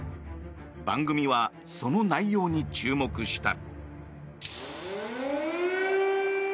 番組はその内容に注目した。